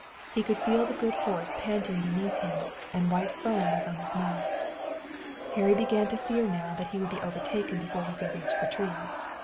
He could feel the good horse panting beneath him, and white foam was on his mouth. Harry began to fear now that he would be overtaken before he could reach the trees.